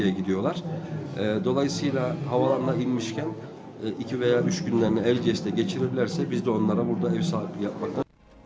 jadi mereka bisa melihat tanda tanda sejarah di kayseri kapadokya